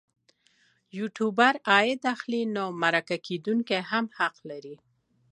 یوټوبر عاید اخلي نو مرکه کېدونکی هم حق لري.